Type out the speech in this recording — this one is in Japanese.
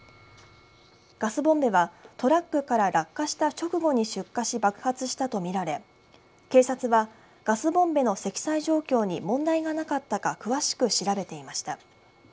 ガスボンベはトラックから落下した直後に出火し爆発したと見られ警察はガスボンベの積載状況に問題がなかったか詳しく調べていました。